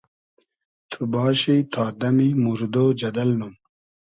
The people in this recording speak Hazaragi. تو باشی تا دئمی موردۉ جئدئل نوم